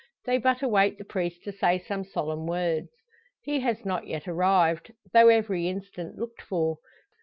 They but await the priest to say some solemn words. He has not yet arrived, though every instant looked for.